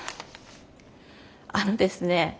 あのですね